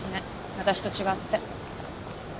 私と違って。